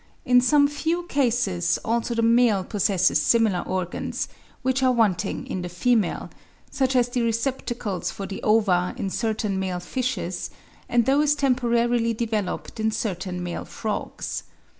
In some few cases also the male possesses similar organs, which are wanting in the female, such as the receptacles for the ova in certain male fishes, and those temporarily developed in certain male frogs.